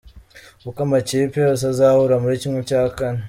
Uko amakipe yose azahura muri ¼ .